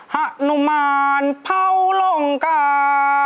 หนุมานเผาลงกา